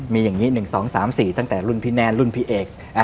มีอย่างนี้๑๒๓๔ตั้งแต่รุ่นพี่แนนรุ่นพี่เอก